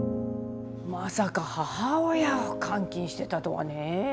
まさか母親を監禁してたとはねえ。